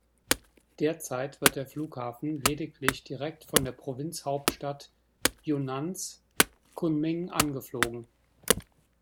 Derzeit wird der Flughafen lediglich direkt von der Provinzhauptstadt Yunnans, Kunming, angeflogen.